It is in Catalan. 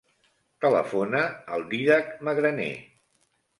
Telefona al Dídac Magraner.